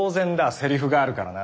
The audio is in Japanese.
セリフがあるからな。